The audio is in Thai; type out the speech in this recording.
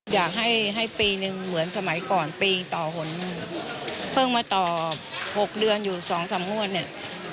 อยากให้ปีหนึ่งเหมือนสมัยก่อนปีต่อหนเพิ่งมาต่อ๖เดือนอยู่๒๓งวดเนี่ย